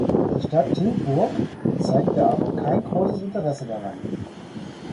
Die Stadt Tilburg zeigte aber kein großes Interesse daran.